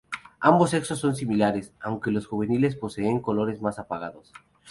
Ambos sexos son similares, aunque los juveniles poseen colores más apagados.